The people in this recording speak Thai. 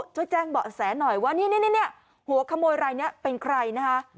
เจ้าแจ้งเบาะแสนหน่อยว่านี่หัวขโมยอะไรเป็นใคร